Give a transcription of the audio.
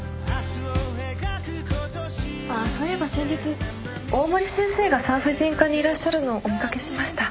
ああそういえば先日大森先生が産婦人科にいらっしゃるのをお見掛けしました。